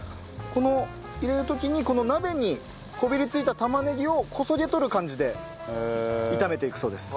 入れる時にこの鍋にこびりついた玉ねぎをこそげ取る感じで炒めていくそうです。